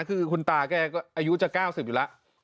คือคุณตาแกก็อายุจะ๙๐อยู่แล้ว